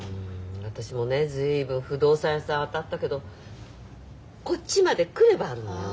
私もね随分不動産屋さん当たったけどこっちまで来ればあるのよね。